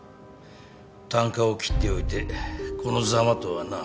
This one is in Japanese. たんかを切っておいてこのざまとはな。